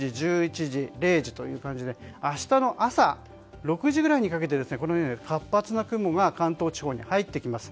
１０時、１１時０時という感じで明日の朝６時くらいにかけて活発な雲が関東地方に入ってきます。